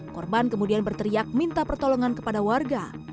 korban kemudian berteriak minta pertolongan kepada warga